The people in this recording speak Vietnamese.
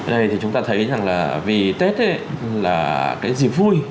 đây thì chúng ta thấy rằng là vì tết là cái dịp vui